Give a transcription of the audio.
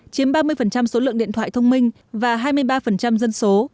chiếm ba mươi số lượng điện thoại thông minh và hai mươi ba dân số